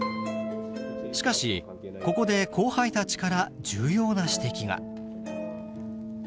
しかしここで後輩たちから重要な指摘が。